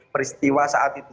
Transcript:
peristiwa saat itu